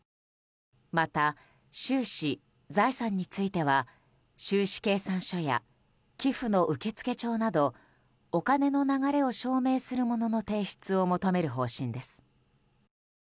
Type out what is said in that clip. また収支・財産については収支計算書や寄付の受付帳などお金の流れを証明するものの提出を求める方針です。